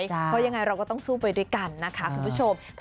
เพราะยังไงเราก็ต้องสู้ไปด้วยกันนะคะคุณผู้ชม